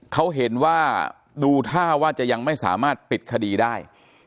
เขาเห็นว่าดูท่าว่าจะยังไม่สามารถปิดคดีได้